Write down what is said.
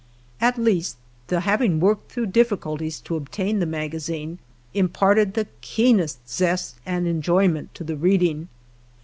At least the having worked through difficulties to obtain the magazine imparted the keenest zest and enjoymeut to the reading.